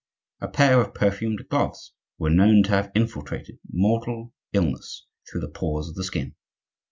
A pair of perfumed gloves were known to have infiltrated mortal illness through the pores of the skin.